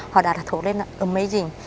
họ đã thổ lên là amazing